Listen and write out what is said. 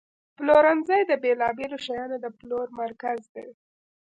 پلورنځی د بیلابیلو شیانو د پلور مرکز دی.